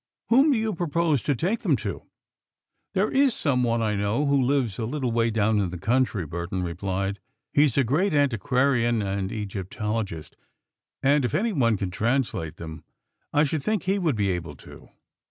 Whom do you propose to take them to?" "There is some one I know who lives a little way down in the country," Burton replied. "He is a great antiquarian and Egyptologist, and if any one can translate them, I should think he would be able to.